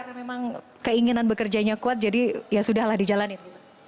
karena memang keinginan bekerjanya kuat jadi ya sudah lah dijalanin